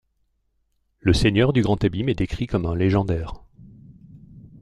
Le seigneur du grand abîme est décrit comme un légendaires.